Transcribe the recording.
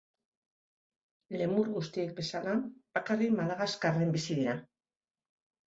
Lemur guztiek bezala bakarrik Madagaskarren bizi dira.